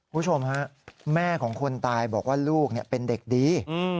คุณผู้ชมฮะแม่ของคนตายบอกว่าลูกเป็นเด็กดี